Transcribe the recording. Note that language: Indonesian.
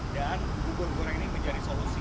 dan bubur goreng ini menjadi solusi